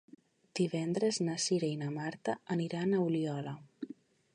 Divendres na Cira i na Marta aniran a Oliola.